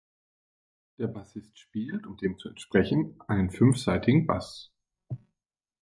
Der Bassist spielt, um dem zu entsprechen, einen fünfsaitigen Bass.